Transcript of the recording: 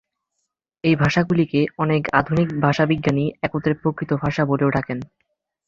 এই ভাষাগুলিকে অনেক আধুনিক ভাষাবিজ্ঞানী একত্রে প্রাকৃত ভাষা বলেও ডাকেন।